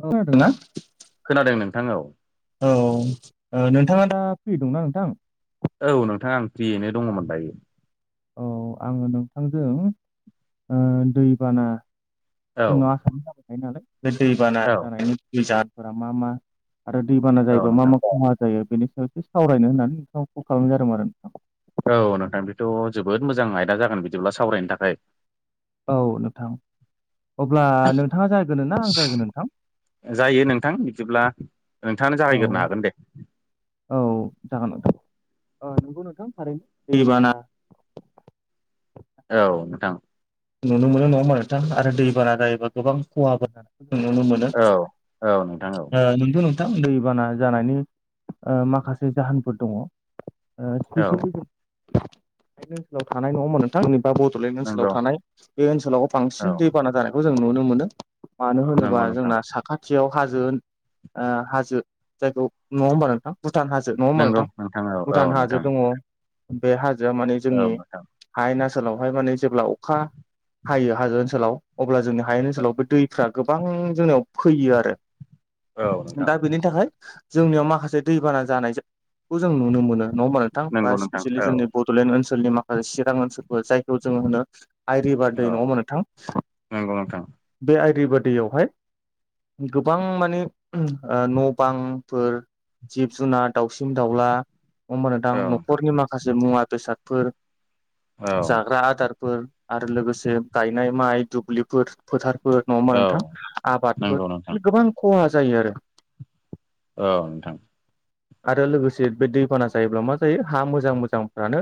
औ खोनादों ना? खोनादों नोंथां औ औ नोंथाङा दा फ्रि दंना नोंथां? औ नोंथां आं फ्रियैनो दङमोन दायो। औ आङो नोंथांजों दैबाना औ जोंनाव आसामाव जाबाय थायो नालाय बे दैबाना औ जानायनि जाहोनफोरा मा मा आरो दैबाना औ जायोबा मा नोंथां मा खहा जायो बेनि सायाव एसे सावरायनो होननानै नोंथाङाव कल खालामनाय जादोंमोन आरो नोंथां। औ नोंथां बेथ' जोबोद मोजां आयदा जागोन बिदिब्ला सावरायनो थाखाय औ नोंथां अब्ला नोंथाङा जागायगोरनो ना आं जागायगोरनो नोंथां? जायो नोंथां बिदिब्ला नोंथाङानो जागायगोरनो औ हागोन दे औ जागोन नोंथां औ नंगौ नोंथां थारैनो दैबाना औ नोंथां नुनो मोनो नङा होमबा नोंथां आरो दैबाना जायोबा गोबां ख'हाबो जानायखौ जों नुनो मोनो दा औ औ नोंथां औ ओ नोंगौ नों थां दैबाना जानायनि ओ माखासे जाहोनफोर दङ' ओ औ स्पेसिफिक हायेन ओनसोलाव थानाय नङा होमबा नोंथां बा बड'लेण्ड ओनसोलाव नंगौ थानाय बे ओनसोलाव औ बांसिन दैबाना जानायखौ जों नुनो मोनो मानो होनोबा नंगौ नोंथां जोंना सा खाथियाव हाजो ओ हाजो जायखौ नङा होमबा नोंथां भुटान हाजो नङा होमबा नंगौ नोंथां औ औ भुटान हाजो नोंथां दङ' बे हाजोआ माने औ जोंनि नोंथां हायेन आसोलावहाय माने जेब्ला अखा हायो हाजो ओनसोलाव अब्ला जोंनि हायेन ओनसोलाव बे दैफ्रा गोबां जोंनियाव फैयो आरो औ नोंथां दा बेनि थाखाय जोंनियाव माखासे दैबाना जानायखौ जों नुनो मोनो नङा होमबा नोंथां बा नंगौ नोंथां स्पेसिलि औ जोंनि बड'लेण्ड ओनसोलनि माखासे चिरां ओनसोलफोर जायखौ जोङो होनो आइरिभार दै औ नङा होनबा नोंथां नंगौ नोंथां बे आइरिभार दैयावहाय गोबां माने ओ न' बांफोर जिब-जुनार, दाउसिन-दाउला नङा होमबा नोंथां न'खरनि माखासे मुवा-बेसादफोर औ जाग्रा आदारफोर आरो लोगोसे गायनाय माइ दुब्लिफोर फोथारफोर नङा होमबा औ नोंथां आबादफोर नंगौ नोंथां बिदिनो गोबां ख'हा जायो आरो औ नोंथां आरो लोगोसे बे दैबाना जायोब्ला मा जायो हा मोजां मोजांफ्रानो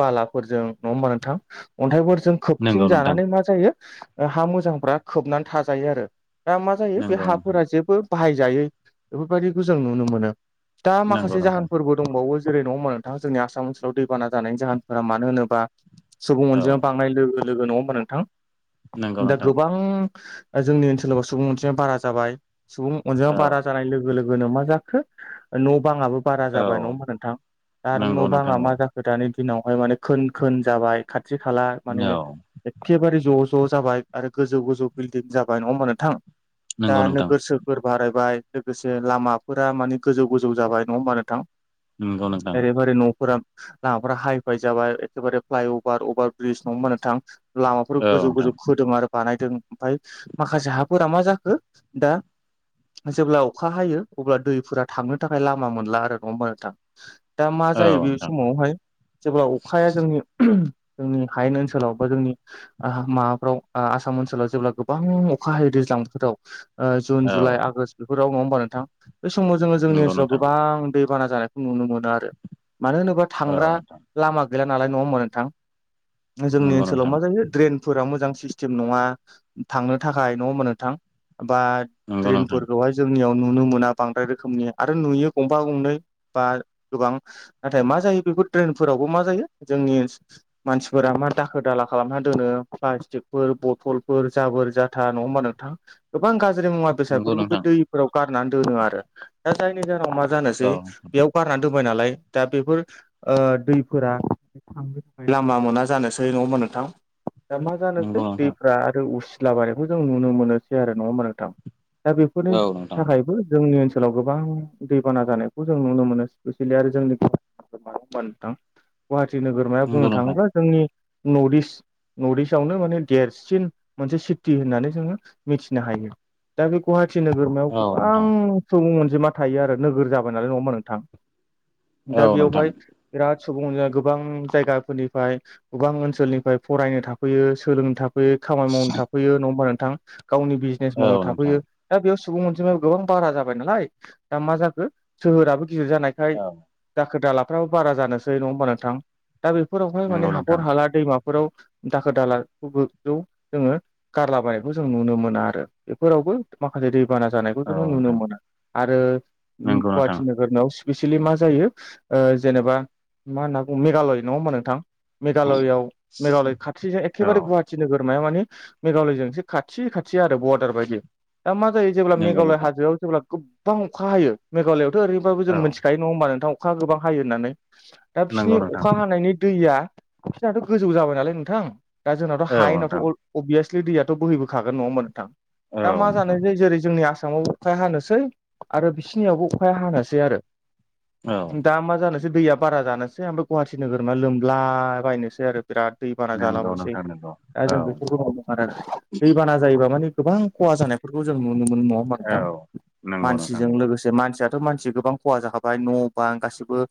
बालाफोरजों नङा होमबा नोंथां अन्थाइफोरजों नंगौ नोंथां खोबसिनजानानै मा जायो ओ हा मोजांफ्रा खोबनानै थाजायो आरो दा मा जायो बे नंगौ नोंथां हाफोरा जेबो बाहायजायै बेफोरबायदिखौ जों नुनो मोनो दा नंगौ माखासे नोंथां जाहोनफोरबो दंबावो जेरै नङा होमबा नोंथां जोंनि आसाम ओनसाव दैबाना जानायनि जाहोनफोरा मानो होनोबा सुबुं औ अनजिमा बां नाय लोगो लोगो नङा होमबा नोंथां नंगौ दा नोंथां गोबां जोंनि ओनसोलाव सुबुं अनजिमा बारा जाबाय सुबुं अनजिमा औ बारा जानाय लो लोगो लोगोनो मा जाखो न' बाङाबो बारा जाबाय नङा औ होमबा नोंथां आरो नंगौ न' नोंथां बाङा औ मा जाखो दानि दिनावहाय माने खोन खोन जाबाय खाथि-खाला माने औ एखेबारे ज' ज' जाबाय आरो गोजौ गोजौ बिल्डिं जाबाय नङा होमबा नोंथां दा नंगौ नोंथां नोगोर सोहोर बारायबाय लोगोसे लामाफोरा माने गोजौ गोजौ जाबाय नङा होमबा नोंथां नंगौ नोंथां ओरैबा ओरै न'फोरा लामाफ्रा हाइ फाइ जाबाय एखेबारे फ्लाइअभार अभार ब्रिज नङा ओमबा नोंथां लामाफोर औ गोजौ नोंथां गोजौ खोदों आरो बानायदों ओमफाय माखासे हाफोरा मा जाखो दा जेब्ला अखा हायो अब्ला दैफोरा थांनो थाखाय लामा मोनला आरो नङा होमबा नोंथां दा मा औ जायो बे नोंथां समावहाय जेब्ला अखाया जोंनि जोंनि हायेन ओनसोलाव बो जोंनि ओ माबाफ्राव ओ आसाम ओनसोलाव जेब्ला गोबां अखा हायो दैज्लां बोथोराव ओ जुन औ जुलाइ आगष्ट बेफोराव नङा होमबा नोंथां बे समाव जोङो जोंनि नंगौ ओनसोलाव नोंथां गोबां दैबाना जानायखौ नुनो मोनो आरो मानो होनोबा औ थांग्रा नोंथां लामा गैला नालाय नङा होमबा नोंथां नंगौ जोंनि ओनसो ड्रेनफोरा मोजां सिस्टेम नङा थांनो थाखाय नङा होमबा नोंथां बा ड्रेन नोंथां फोरखौहाय जोंनियाव नुनो मोना बांद्राय रोखोमनि आरो नुयो गंफा गंनै बा गोबां नाथाय मा जायो बेफोर द्रेनफोरावबो मा जायो जोंनि मानसिफोरा मा दाखोर दाला खालामना दोनो प्लास्टिकफोर बथलफोर जाबोर जाथा नङा होमबा नोंथां गोबां गाज्रि मुवा नंगौ बेसादफोरखौ बे नोंथां नंगौ नोंथां दैफोराव गारनानै दोनो आरो दा जायनि जाहोनाव मा औ जानोसै बेयाव गारनानै दोनबाय नालाय दा बेफोर ओ दैफोरा थांनो थाखाय लामा मोना जानोसै नङा होमबा मबा नोंथां नोंथां दा मा जानोसै नंगौ नोंथां दैफ्रा आरो उसि [unintelligible] बायनायखौ जों नुनो मोनोसै आरो नङा ओमबा नोंथां दा बेफोरनि औ नोंथां थाखायबो जोंनि ओनसोलाव गोबां दैबाना जानायखौ जों नुनो मोनो स्पेसियेलि आरो जोंनि [unintelligible] नङा होनबा नोंथां गुवाहाटि नोगोरमाया बुंनो नंगौ नोंथां थाङोब्ला जोंनि नर्थ इस्ट नर्थ इस्ट आवनो माने देरसिन मोनसे सिटि होननानै जोङो मिथिनो हायो दा बे गुवाहाटि नोगोरमायाव औ गोबां नोंथां सुबुं अनजिमा थायो आरो नोगोर जाबाय नालाय नङा होमबा नोंथां दा औ बेयावहाय नोंथां बिराद सुबुं अनजिमा गोबां जायगाफोरनिफ्राय गोबां ओनसोलनिफ्राय फरायनो थाफैयो सोलोंनो थाफैयो खामानि मावनो थाफैयो नङा होमबा नोंथां गावनि बिज [unintelligible] बिजनेस औ मावनो नोंथां थाफैयो दा बेयाव सुबुं अनजिमाया गोबां बारा जाबाय नालाय दा मा जाखो सोहोराबो गिदिर जानाय [unintelligible] औ दाखोर-दालाफ्राबो बारा जानोसै नङा होमबा नोथां दा बेफोरावहाय माने नंगौ नोंथां हाखर-हाला दैमाफोराव दाखोर दाला गोजौ जोङो [unintelligible] गारलाबायनायखौ जों नुनो मोना आरो बेफोरावबो माखासे दैबाना जानाय औ जोङो नुनो नोंथां मोना आरो नंगौ नोंथां गुवाहाटि नोगोरमायाव स्पिसियेलि मा जायो जेनेबा मा होनना बुंङो मेघालय नङा होनबा नोंथां मेघालयआव मेघालय खाथि औ एखेबारे गुवार गुवाहाथि नोगोरमाया माने मेघालयजोंसो खाथि खाथि आरो बरदार बायदि दा मा जायो जेब्ला नंगौ मेघालय नोंथां हाजोआव जेब्ला गोबां अखा हायो मेघालयआवथ' ओरैनोबाबो जों औ मोनथि खायो नङा होनबा नोंथां अखा गोबां हायो होननानै दा बिसोरनि नंगौ नोंथां अखा हानायनि दैया बिसनाथ' गोजौ जाबाय नालाय नोंथां दा जोंनाथ' औ हायेनाथ' नोंथां अभिएसलि दैयाथ' बोहैबोखागोन नङा होमबा नोंथां औ दा मा नोंथां जानोसै जेरै जोंनि आसामावबो अखाया हानोसै आरो बिसिनियावबो अखाया हानोसै आरो औ दा मा जानो दैया बारा जानोसै ओमफ्राय गुवाहाटि नोगोरा लोमलाबायनोसै आरो बिराद दैबाना नंगौ जालाबायनोसै नोंथां नंगौ दा औ जों बेफोरखौ आरो दैबाना जायोबा माने गोबां खहा जानायफोरखौ जों नुनो मोनो नङा होमबा नोंथां औ नंगौ नोंथां मानसिजों नंगौ लोगोसे मानसिया दा मानसिया गोबां खहा जाखाबाय न' बां गासिबो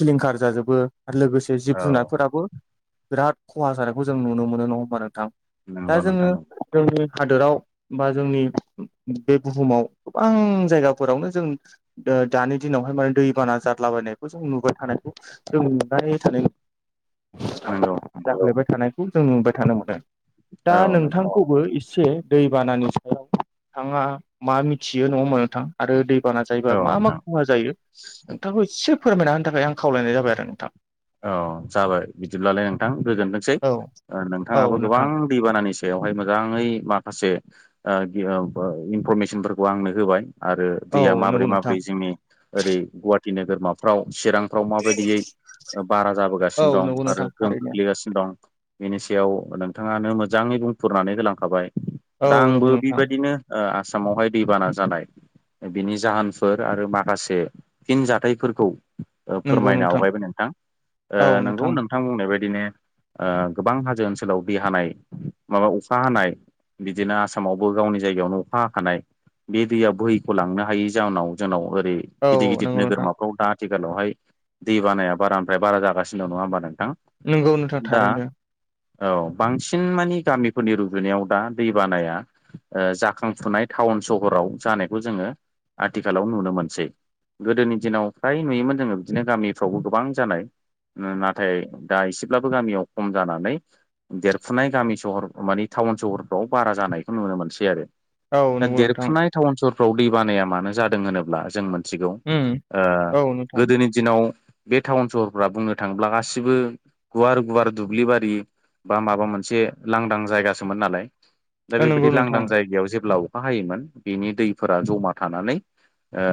सिलिंखार जाजोबो लोगोसे औ जिब जुनारफोराबो बिराद खहा जानायखौ जों नुनो मोनो नङा होमबा नोंथां दा नंगौ जोङो नोंथां नंगौ जोंनि हादोराव बा जोंनि बे बुहुमाव गोबां जायगाफोरावनो जों दानि दिनावहाय माने दैबाना जाद्लाबायनायखौ जों नुबाय थानायखौ जों नुबाय थादों नंगौ नोंथां जाफ्लेयबाय थानायखौ जों नुबाय थानो मोनो दा औ नोंथां नोंथांखौबो एसे दैबानानि सायाव नोंथाङा मा मिथियो नङा होमबा नोंथां आरो दै बाना औ जायोबा मा मा नोंथां खहा जायो नोंथांखौ एसे फोरमायना होनो थाखाय आं खावलायनाय जाबाय आरो नोंथां औ जाबाय बिदिब्लालाय नोंथां गोजोनथोंसै औ औ नोंथाङाबो गोबां नोंथां दैबानानि सायावहाय मोजाङै माखासे ओ [unintelligible] इनफरमेसनफोरखौ आंनो होबाय आरो औ दैया माब्रै नंगौ नोंथां माब्रै जोंनि ओरै गुवाहाटि नोगोरमाफ्राव चिरांफ्राव माबायदियै बारा औ जाबोगासिनो दं नंगौ आरो नोंथां गोहोम थारैनो खोख्लैगासिनो दं बेनि सायाव नोंथाङानो मोजाङै बुंफुरनानै होलांखाबाय औ दा नंगौ आंबो नोंथां बेबायदिनो आसामावहाय दैबाना जानाय बिनि जाहोनफोर आरो माखासे फिन जाथायफोरखौ फोरमायनो आवगायबाय नोंथां नंगौ नोंथां बुंनाय बायदिनो ओ गोबां हाजो ओनसोलाव दै हानाय माबा अखा हानाय बिदिनो आसामावबो गावनि जायगायावनो अखा हाखानाय बे दैया बोहैख' लांनो हायिनि जाहोनाव जोंनाव ओरै गिदिर औ गिदिर नंगौ नोंथां नोगोरमाफ्राव दा आथिखालावहाय दै बानाया बारानिफ्राय बारा जागासिनो दं नङा होमबा नोंथां नोंगौ नोंथां दा थारैनो औ बांसिन मानि गामिफोरनि रुजुनायाव दा दै बानाया जाखांफुनाय टाउन सहराव जानायखौ जोङो आथिखालाव नुनो मोनसै गोदोनि दिनाव फ्राय नुयोमोन जोङो बिदिनो गामिफ्रावबो गोबां जानाय नाथाय दा एसेब्लाबो गामियाव खम जानानै देरफुनाय गामि सहर मानि टाउन सहरफ्राव बारा जानायखौ नुनो मोनसै आरो औ दा नंगौ नोंथां देरफुनाय टाउन सहरफ्राव दै बानाया मानो जादों होनोब्ला जों मोन थिगौ उम ओ औ नोंथां गोदोनि दिनाव बे टाउन सहरफोरा बुंनो थाङोब्ला गासिबो गुवार गुवार दुब्लिबारि बा माबा मोनसे लांदां जायगासोमोन नालाय दा बेबायदि नंगौ लांदां नोंथां जायगायाव जेब्ला अखा हायोमोन बेनि दैफोरा जमा थानानै ओ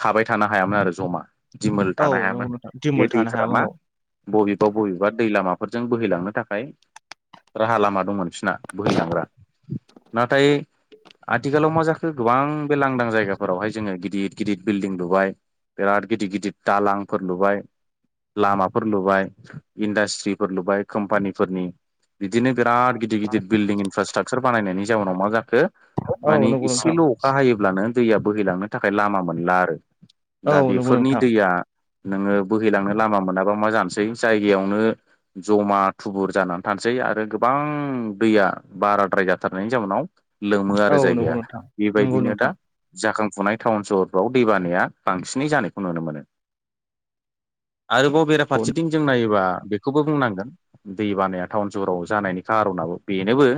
थाबाय थानो हायामोन आरो जमा दिमोल औ थानो हायामोन नंगौ नोंथां बे दिमोल थानो दैफोरा मा हायामोन औ बबेबा बबेबा दै लामाफोरजों बोहैलांनो थाखाय राहा लामा दं मोन बिसिना बोहैलांग्रा नाथाय आथिखालाव मा जाखो गोबां बे लांदां जायगाफोरावहाय जोङो गिदिद गिदिद बिल्डिं लुबाय बिराद गिदिर गिदिर दालांफोर लुबाय लामाफोर लुबाय इन्डास्ट्रिफोर लुबाय कम्पानिफोरनि बिदिनो बिराद गिदिर गिदिर बिल्डिं इनफ्रास्ट्राकसार बानायनायनि जाउनाव मा जाखो औ मानि नंगौ नोंथां एसेल' अखा हायोब्लानो दैया बोहैलांनो थाखाय लामा मोनला आरो औ दा नंगौ बेफोरनि नोंथां दैया नोङो बोहैलांनो लामा मोनाबा मा जानोसै जायगायावनो जमा थुबुर जानानै थानोसै आरो गोबां दैया बाराद्राय जाथारनायनि जाउनाव लोमो औ आरो नंगौ जायगाया नोंथां नंगौ बेबायदिनो दा नोंथां जाखांफुनाय टाउन सहरफ्राव दैबानाया बांसिनै जानायखौ नुनो मोनो आरोबाव बेराफारसेथिं जों नायोबा बेखौबो बुंनांगोन दै बानाया टाउन सोहराव जानायनि खार'नाबो बेनोबो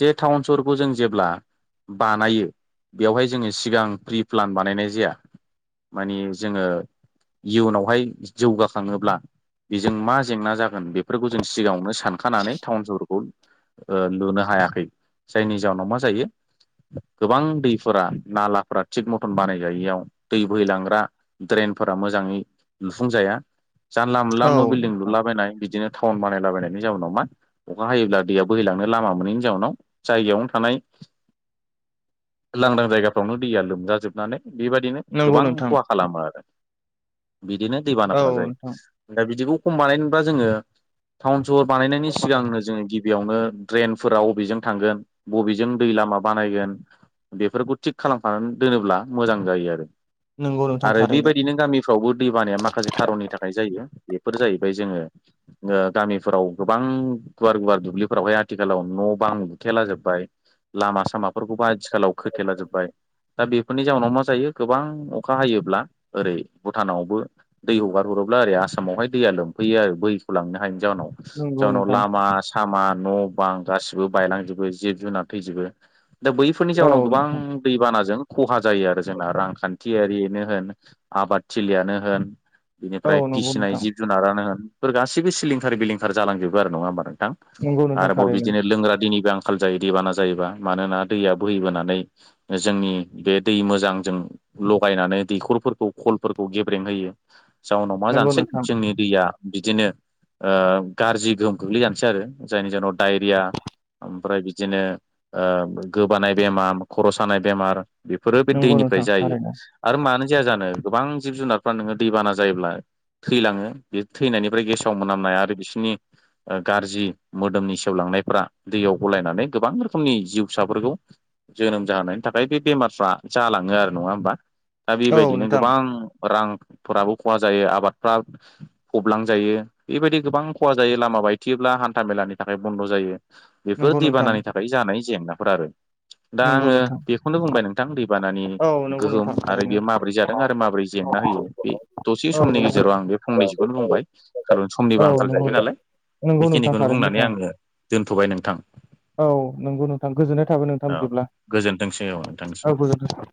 जे टाउन सहरखौ जों जेब्ला बानायो बेवहाय जोङो सिगां प्रि प्लान बानायनाय जाया। माने जोङो इयुनावहाय जौगाखाङोब्ला बेजों मा जेंना जागोन बेफोरखौ जों सिगाङावनो सानखानानै टाउन शहरखौ ओ लुनो हायाखै जायनि जाउनाव मा जायो गोबां दैफोरा नालाफोरा थिग मतन बानायजायियाव दै बोहै लांग्रा ड्रेन फोरा मोजाङै लुफुंजाया जानला मोनला औ न' बिल्डिं नोंथां लुलाबायनाय बिदिनो टाउन बानायलाबायनायनि जाउनाव मा अखा हायोब्ला दैया बोहैलांनो लामा मोनैनि जाउनाव जायगायावनो थानाय लांदां जायगाफ्रावनो दैया लोमजाजोबनानै बेबायदिनो नंगौ गोबां नोंथां खहा खालामो आरो बिदिनो औ दैबानाफ्रा जायो नोंथां ओमफ्राय बिदिखौ खम बानायनोला जोङो टाउन शहर बानायनायनि सिगांनो जोङो गिबियावनो ड्रेनफोरा बबेजों थांगोन बबेजों दै लामा बानायगोन बेफोरखौ थिग खालामखानानै दोनोब्ला मोजां जायो आरो नंगौ नोंथां आरो थारैनो बेबाय बिदिनो गामिफ्रावबो दैबानाया माखासे खारननि थाखाय जायो बेफोर जाहैबाय जोङो ओ गामिफोराव गोबां गुवार गुवार दुब्लिफोरावहाय आथिखालाव न' बां लुथेलाजोबबाय लामा सामाफोरखौबो आथिखालाव खोथेला जोबबाय। दा बेफोरनि जाउनाव मा जायो गोबां अखा हायोब्ला ओरै भुटानावबो दै हगार हरोब्ला आरै आसामावहाय दैया लोमफैयो आरो बोहैख' लांनो हायिनि जाहोनाव नंगौ जाहोनाव नोंथां लामा सामा न' बां गासिबो बायलांजोबो जिब जुनार थैजोबो दा बै फोरनि औ जाउनाव गोबां नोंथां दैबानाजों खहा जायो आरो जोंना रांखानथियारिनो होन आबाद थिलियानो होन औ बिनिफ्राय नंगौ फिसिनाय नोंथां जिब जुनारानो होनफोर गासिबो सिलिंखार बिलिंखार जालांजोबो नङा होमबा नोंथां? नंगौ नोंथां आरोबाव थारैनो बिदिनो लोंग्रा दैनिबो आंखाल जायो दैबाना जायोबा मानोना दैया बोहैबोनानै जोंनि बे दै मोजांजों लगायनानै दैखरफोरखौ खलफोरखौ गेब्रें होयो जाउनाव मा नंगौ जानोसै नोंथां जोंनि दैया बिदिनो ओ गाज्रि गोहोम गोग्लैजानोसै आरो जायनि जाहोनाव डायरिया ओमफ्राय बिदिनो ओ गोबानाय बेमार खर' सानाय बेमार बेफोरो बे नंगौ नोंथां दैनिफ्राय जायो थारैनो आरो मानो जाया जानो गोबां जिब जुनारफ्रा नोङो दैबाना जायोब्ला थैलाङो बे थैनायनिफ्राय गेसाव मोनामनाय आरो बिसोरनि गाज्रि मोदोमनि सेवलांनायफ्रा दैयाव गलायनानै गोबां रोखोमनि जिउ फिसाफोरखौ जोनोम जाहोनायनि थाखाय बे बेमारफ्रा जालाङो आरो नङा ओमबा दा औ बेबायदिनो नोंथां गोबां रांफोराबो खहा जायो आबादफ्रा फबलांजायो बेबायदि गोबां खहा जायो लामा बायथियोब्ला हान्था मेलानि थाखाय बन्द' जायो। बेफोर नंगौ नोंथां दैबानानि थाखाय जानाय जेंनाफोर आरो दा नंगौ आङो नोंथां बे खौनो बुंबाय नोंथां दैबानानि औ नंगौ गोहोम नोंथां आरो थारैनो बेयो माबोरै जा जों आरो माबोरै जेंना होयो बे दसे औ समनि नंगौ गेजेराव आं बे फंनैसेखौनो बुंबाय। कारन औ समनिबो आंखाल नंगौ जाहैबाय नालाय नंगौ नोंथां बेखिनिखौनो थारैनो बुंनानै नोंथां आङो दोनथ'बाय नोंथां। औ नंगौ नोंथां गोजोननाय थाबाय नोंथां औ बिदिब्ला गोजोनथोंसै नोंथांनिसिम। औ गोजोनथों।